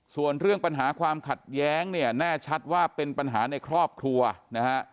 ส่วนเรื่องปัญหาความขัดแย้งเนี่ยแน่ชัดว่าเป็นปัญหาในครอบครัวนะฮะ